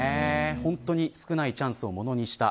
本当に少ないチャンスをものにした。